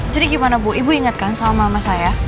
jadi gimana bu ibu inget sama mama saya